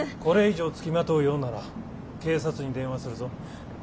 これ以上付きまとうようなら警察に電話するぞ。